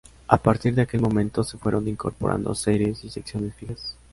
A partir de aquel momento, se fueron incorporando series y secciones fijas.